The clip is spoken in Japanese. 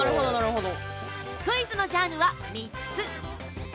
クイズのジャンルは３つ！